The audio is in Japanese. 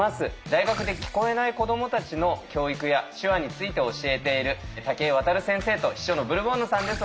大学で聞こえない子どもたちの教育や手話について教えている武居渡先生と秘書のブルボンヌさんです。